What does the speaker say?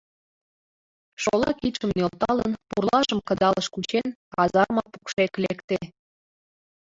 Шола кидшым нӧлталын, пурлажым кыдалыш кучен, казарма покшек лекте.